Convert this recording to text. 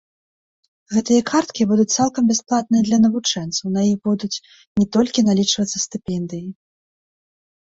Гэтыя карткі будуць цалкам бясплатныя для навучэнцаў, на іх будуць не толькі налічвацца стыпендыі.